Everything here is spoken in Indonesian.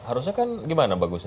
harusnya kan gimana bagusnya